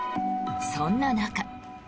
そんな中。